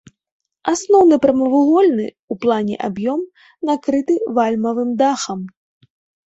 Асноўны прамавугольны ў плане аб'ём накрыты вальмавым дахам.